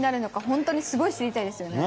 本当にすごい知りたいですよね。